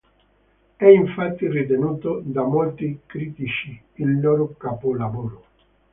È infatti ritenuto da molti critici il loro capolavoro.